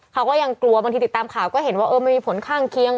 เขาก็ยังกลัวบางทีติดตามข่าวก็เห็นว่าเออมันมีผลข้างเคียง